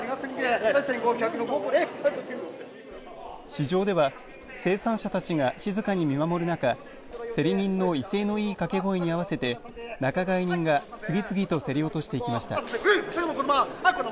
市場では生産者たちが静かに見守る中競り人の威勢のいい掛け声に合わせて仲買人が次々と競り落としていきました。